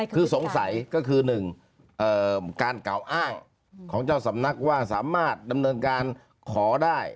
คือสงสัยก็คือ๑การกล่าวอ้างของเจ้าสำนักว่าสามารถดำเนินการขอได้